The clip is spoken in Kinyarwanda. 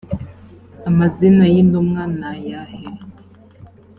amazina y intumwa ni ayahe